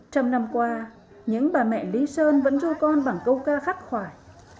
trong năm qua những bà mẹ lý sơn vẫn du con bằng câu ca khắc khoải